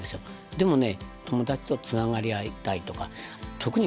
でもね友達とつながり合いたいとか特にコロナの中で。